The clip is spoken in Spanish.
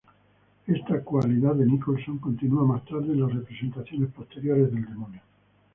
Esta "cualidad de Nicholson" continúa más tarde en las representaciones posteriores del demonio.